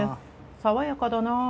爽やかだな。